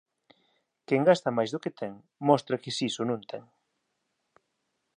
Quen gasta máis do que ten, mostra que siso non ten.